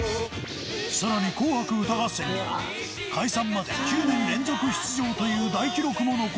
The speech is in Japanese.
さらに『紅白歌合戦』には解散まで９年連続出場という大記録も残した。